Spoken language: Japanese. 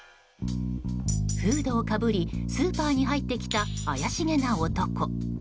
フードをかぶり、スーパーに入ってきた怪しげな男。